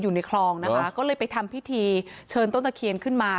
อยู่ในคลองนะคะก็เลยไปทำพิธีเชิญต้นตะเคียนขึ้นมา